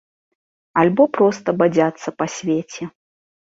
Альбо проста бадзяцца па свеце.